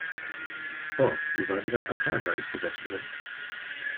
Oh, tu vadera a casa iste vespere!